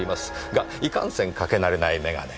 がいかんせんかけ慣れない眼鏡。